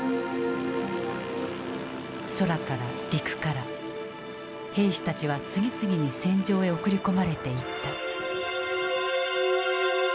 空から陸から兵士たちは次々に戦場へ送り込まれていった。